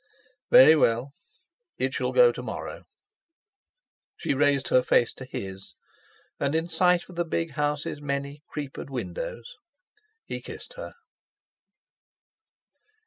"Very well. It shall go to morrow." She raised her face to his, and in sight of the big house's many creepered windows, he kissed her.